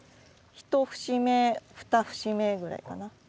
１節目２節目ぐらいかな。